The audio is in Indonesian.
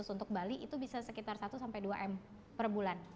untuk bali itu bisa sekitar satu sampai dua m per bulan